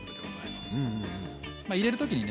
まあ入れる時にね